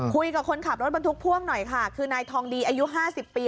คุยกับคนขับรถบรรทุกพ่วงหน่อยค่ะคือนายทองดีอายุ๕๐ปี